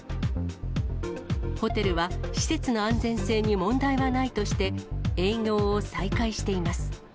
ホテルは、施設の安全性に問題がないとして、営業を再開しています。